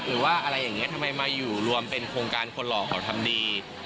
หรือว่าอะไรอย่างนี้ทำไมมาอยู่รวมเป็นโครงการคนหล่อเขาทำดี